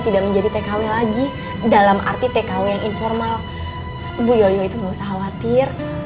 tidak menjadi tkw lagi dalam arti tkw yang informal bu yoyo itu nggak usah khawatir